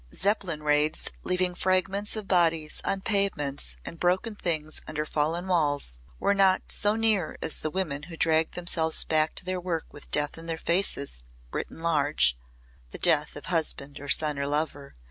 Zeppelin raids leaving fragments of bodies on pavements and broken things under fallen walls, were not so near as the women who dragged themselves back to their work with death in their faces written large the death of husband or son or lover.